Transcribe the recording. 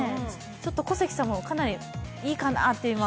小関さんも、かなりいいかなって。